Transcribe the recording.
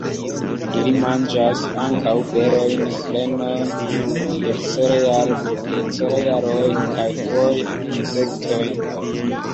Ili manĝas ankaŭ berojn, grenon de cerealoj kaj foje insektojn.